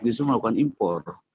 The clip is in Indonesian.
disuruh melakukan impor